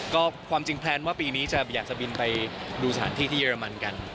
ก็ความจริงแพลนว่าปีนี้จะอยากจะบินไปดูสถานที่ที่เรมันกัน